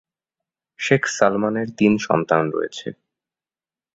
শেখ সালমানের তিন সন্তান রয়েছে।